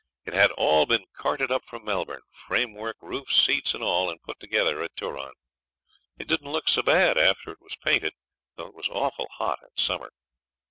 It had all been carted up from Melbourne framework, roof, seats, and all and put together at Turon. It didn't look so bad after it was painted, though it was awful hot in summer.